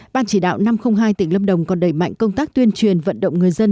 ban chỉ đạo năm trăm linh hai tỉnh lâm đồng còn đẩy mạnh công tác tuyên truyền vận động người dân